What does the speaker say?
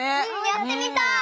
やってみたい！